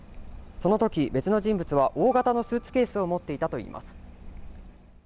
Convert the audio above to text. そのとき、別の人物は大型のスーツケースを持っていたといいます。